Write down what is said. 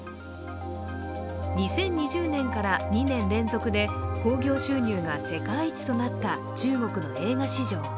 ２０２０年から２年連続で興行収入が世界一となった中国の映画市場。